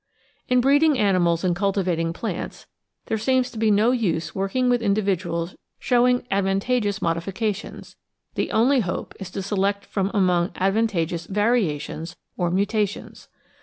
In breeding animals and cultivat ing plants there seems to be no use working with individuals showing advantageous modifications; the only hope is to select from among advantageous variations or mutations.